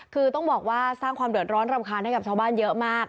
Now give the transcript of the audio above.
คือต้องบอกว่าสร้างความเดือดร้อนรำคาญให้กับชาวบ้านเยอะมาก